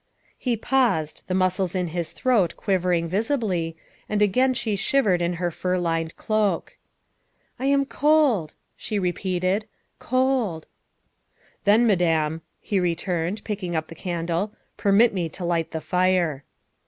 '' He paused, the muscles in his throat quivering visibly, and a?ain she shivered in her fur lined cloak. '' I am cold, '' she repeated, '' cold. '' 308 THE WIFE OF " Then, Madame," he returned, picking up the can dle, " permit me to light the fire."